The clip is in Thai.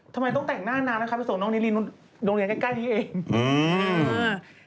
ทำไมต้องแต่งหน้านานนะครับไปส่งน้องนิรินิรบินโรงเรียนใกล้พี่เอง